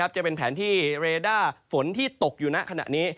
จะเป็นแผนที่เรด้าฝนที่ตกอยู่ณขณะนี้